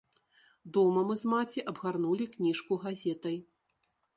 Дома мы з маці абгарнулі кніжку газетай.